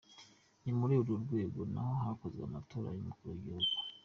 Ni muri urwo rwego naho hakozwe amatora y’umukuru w’igihugu.